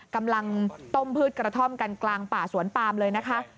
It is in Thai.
กำลังต้มพืชกระท่อมกันกลางป่าสวนปามเลยนะคะ